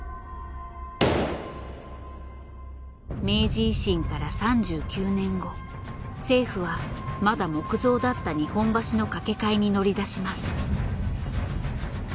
明治維新から３９年後政府はまだ木造だった日本橋の架け替えに乗り出します。